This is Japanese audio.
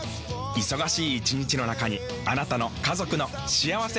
忙しい一日の中にあなたの家族の幸せな時間をつくります。